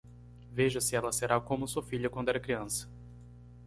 Veja se ela será como sua filha quando era criança.